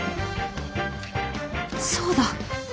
そうだ。